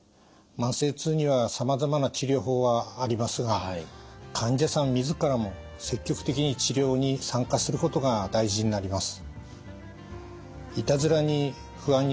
慢性痛にはさまざまな治療法はありますが患者さん自らも積極的に治療に参加することが大事になります。